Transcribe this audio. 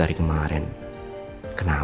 grings yayiu lah